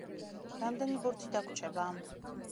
რამდენი ბურთი დაგვრჩება?